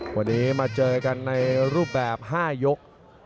วันนี้มาเจอกันในรูปแบบ๕ยก